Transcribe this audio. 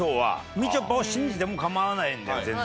みちょぱを信じても構わないんだよ全然。